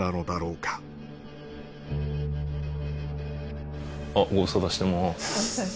かあっご無沙汰してます。